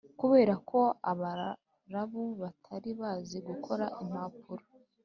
kubera ko abarabu batari bazi gukora impapuro,